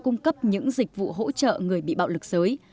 cung cấp những dịch vụ hỗ trợ người bị bạo lực giới